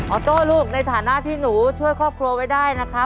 โจ้ลูกในฐานะที่หนูช่วยครอบครัวไว้ได้นะครับ